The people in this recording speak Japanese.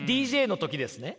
ＤＪの時ですね？